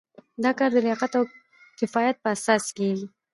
دا کار د لیاقت او کفایت په اساس کیږي.